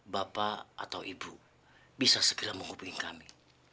bapak atau ibu bisa segera menghubungi kami